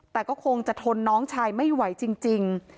แต่ก็คงจะทนน้องชายไม่ไหวจริง